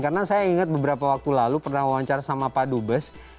karena saya ingat beberapa waktu lalu pernah wawancara sama pak dubes